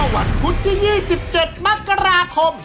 วันพุธที่๒๗มกราคม